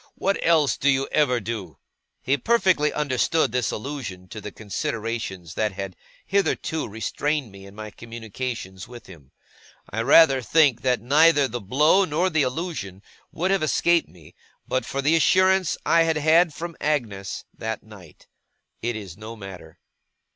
What else do you ever do?' He perfectly understood this allusion to the considerations that had hitherto restrained me in my communications with him. I rather think that neither the blow, nor the allusion, would have escaped me, but for the assurance I had had from Agnes that night. It is no matter.